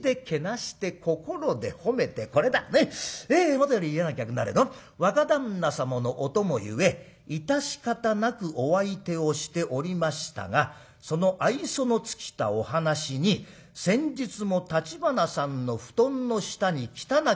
『もとより嫌な客なれど若旦那様のお供ゆえ致し方なくお相手をしておりましたがその愛想の尽きたお話に先日も橘さんの布団の下に汚き越中を置き忘れ』。